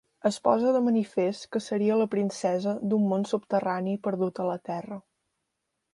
Es posa de manifest que seria la princesa d'un món subterrani perdut a la Terra.